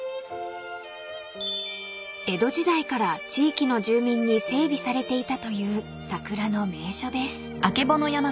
［江戸時代から地域の住民に整備されていたという桜の名所です］